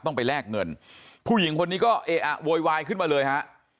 ต้องไปแลกเงินผู้หญิงคนนี้ก็เออะโวยวายขึ้นมาเลยฮะ